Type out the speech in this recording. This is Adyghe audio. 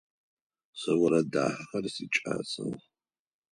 Сэ орэд дахэхэр сикӏасэх.